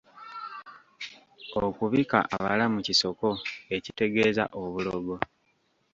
Okubika abalamu kisoko ekitegeeza obulogo.